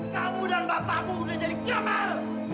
kamu dan bapakmu udah jadi kamar